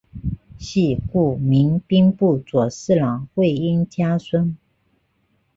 系故明兵部左侍郎魏应嘉孙。